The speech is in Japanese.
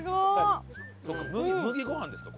麦ご飯ですか？